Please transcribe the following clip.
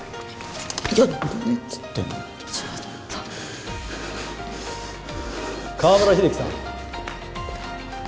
ちょっとちょっと・河村英樹さん